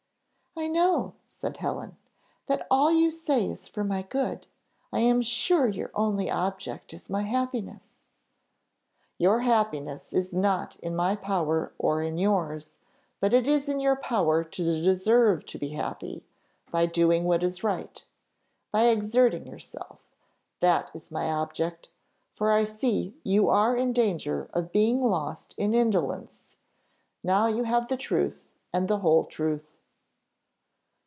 "I know," said Helen, "that all you say is for my good. I am sure your only object is my happiness." "Your happiness is not in my power or in your's, but it is in your power to deserve to be happy, by doing what is right by exerting yourself: that is my object, for I see you are in danger of being lost in indolence. Now you have the truth and the whole truth."